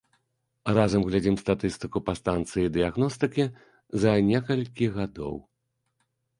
Разам глядзім статыстыку па станцыі дыягностыкі за некалькі гадоў.